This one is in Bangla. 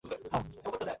পোন্নি, দয়া করো।